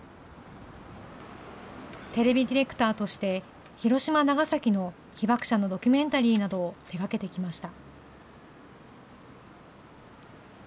テレビディレクターとして、広島、長崎の被爆者のドキュメンタリーなどを手がけてきました。